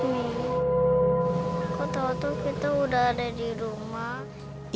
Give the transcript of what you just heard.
mi kau tau tuh kita udah ada di rumah